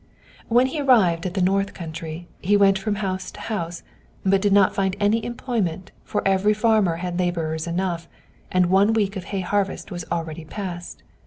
When he arrived at the north country, he went from house to house, but did not find any employment, for every farmer had laborers enough, and one week of hay harvest was already past.